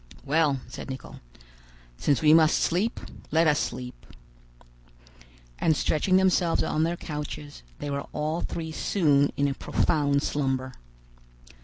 "Well," said Nicholl, "since we must sleep, let us sleep." And stretching themselves on their couches, they were all three soon in a profound slumber.